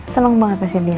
seneng banget pasti dia